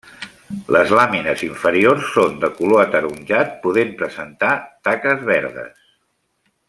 Les làmines inferiors són de color ataronjat podent presentar taques verdes.